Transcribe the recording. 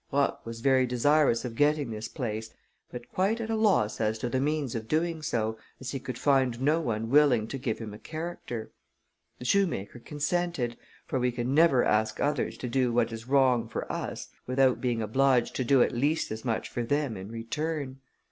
Roch was very desirous of getting this place, but quite at a loss as to the means of doing so, as he could find no one willing to give him a character. The shoemaker consented; for we can never ask others to do what is wrong for us without being obliged to do at least as much for them in return.